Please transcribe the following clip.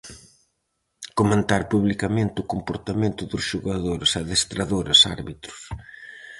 Comentar publicamente o comportamento dos xogadores, adestradores, árbitros...